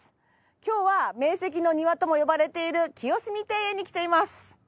今日は名石の庭とも呼ばれている清澄庭園に来ています。